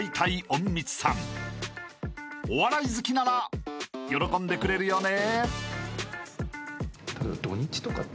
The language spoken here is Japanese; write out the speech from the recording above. ［お笑い好きなら喜んでくれるよね？］